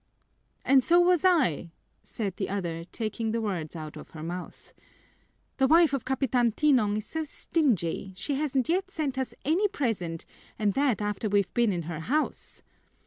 "And so was I," said the other, taking the words out of her mouth, "the wife of Capitan Tinong is so stingy she hasn't yet sent us any present and that after we've been in her house.